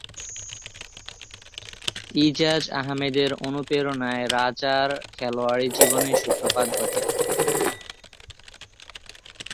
ইজাজ আহমেদের অনুপ্রেরণায় রাজার খেলোয়াড়ী জীবনের সূত্রপাত ঘটে।